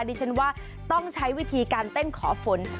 ดิฉันว่าต้องใช้วิธีการเต้นขอฝน